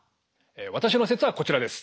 私の説はこちらです。